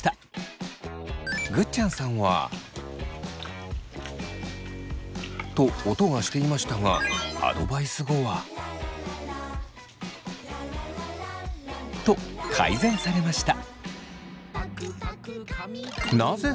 ぐっちゃんさんは。と音がしていましたがアドバイス後は？と改善されました。